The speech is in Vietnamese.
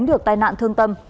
được tai nạn thương tâm